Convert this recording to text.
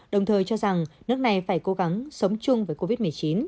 đồng thời cho rằng nước này phải cố gắng sống chung với covid một mươi chín